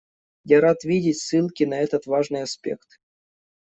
Я рад видеть ссылки на этот важный аспект.